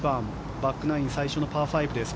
バックナイン最初のパー５です。